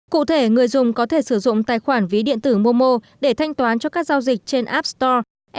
cụ thể người dùng có thể sử dụng tài khoản ví điện tử momo để thanh toán cho các giao dịch trên app store